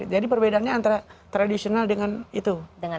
jadi perbedaannya antara tradisional dengan itu